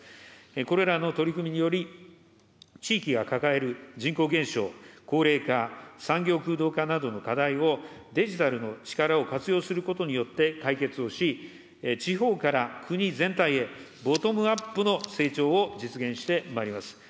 これらの取り組みにより、地域が抱える人口減少、高齢化、産業空洞化などの課題をデジタルの力を活用することによって、解決をし、地方から国全体へ、ボトムアップの成長を実現してまいります。